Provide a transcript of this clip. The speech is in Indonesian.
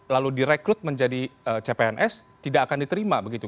lalu direkrut menjadi cpns tidak akan diterima begitu